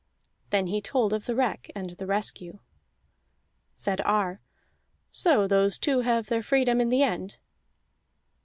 Then he told of the wreck and the rescue. Said Ar: "So those two have their freedom in the end?"